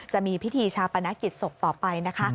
จะมีพิธีชาปนกิจศพต่อไปนะคะ